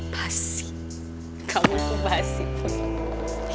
basi kamu tuh basi poi